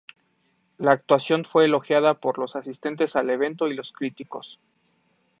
La actuación fue elogiada por los asistentes al evento y los críticos.